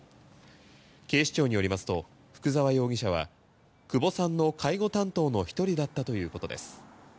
警視庁によりますと福澤容疑者は久保さんの介護担当の１人だったということです。